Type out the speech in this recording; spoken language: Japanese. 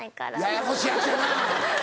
ややこしいヤツやな。